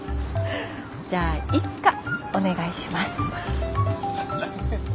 じゃあいつかお願いします。